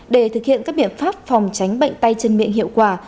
để thực hiện các biện pháp phòng tránh bệnh tay chân miệng hiệu quả